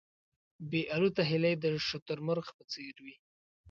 بې الوته هیلۍ د شتر مرغ په څېر وې.